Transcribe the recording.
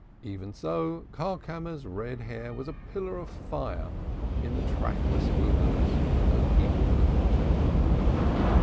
Even so Karlkammer's red hair was a pillar of fire in the trackless wilderness of Hebrew literature.